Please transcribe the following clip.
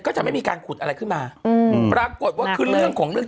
จะไม่มีการขุดอะไรขึ้นมาอืมปรากฏว่าขึ้นเรื่องของเรื่อง